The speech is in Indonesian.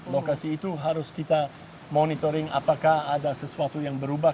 lokasi itu harus kita monitoring apakah ada sesuatu yang berubah